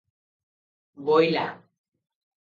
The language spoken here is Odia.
ବୋଇଲା--